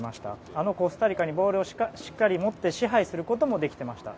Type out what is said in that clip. あのコスタリカにボールをしっかり持って支配することもできていました。